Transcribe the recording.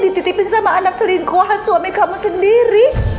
dititipin sama anak selingkuhan suami kamu sendiri